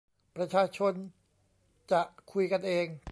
ประชาชนจะคุยกันเอง